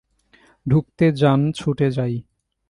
ঢুকতে জান ছুটে যায়।